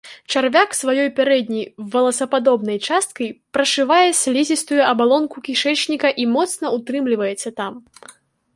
Чарвяк сваёй пярэдняй воласападобнай часткай прашывае слізістую абалонку кішэчніка і моцна ўтрымліваецца там.